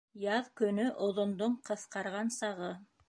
Яҙ көнө оҙондоң ҡыҫҡарған сағы